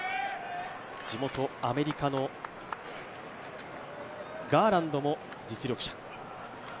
地元アメリカのガーランドも実力者。